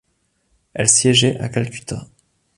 Elle siégeait à Calcutta.